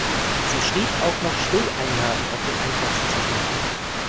Sie schrieb auch noch Stilleinlagen auf den Einkaufszettel.